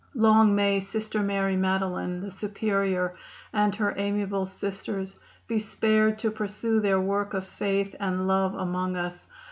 Long may Sister Mary Madeline, the Superior, and her amiable Sisters be spared to pursue their work of faith and love among us.